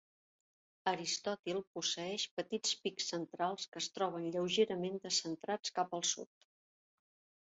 Aristòtil posseeix petits pics centrals que es troben lleugerament descentrats cap al sud.